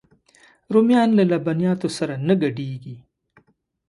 رومیان له لبنیاتو سره نه ګډېږي